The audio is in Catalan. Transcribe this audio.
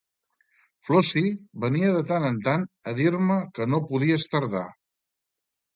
Flossie venia de tant en tant a dir-me que no podies tardar.